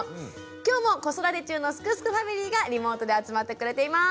今日も子育て中のすくすくファミリーがリモートで集まってくれています！